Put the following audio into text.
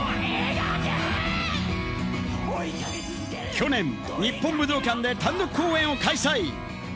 去年、日本武道館で単独公演を開催。